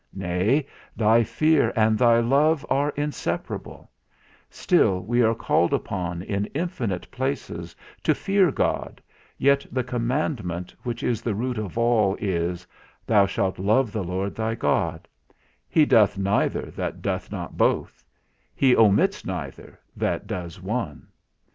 Nay, thy fear, and thy love are inseparable; still we are called upon, in infinite places, to fear God, yet the commandment, which is the root of all is, Thou shalt love the Lord thy God; he doeth neither that doeth not both; he omits neither, that does one.